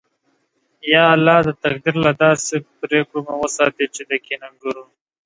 یا الله! د تقدیر له داسې پرېکړو مو وساتې چې د کینه گرو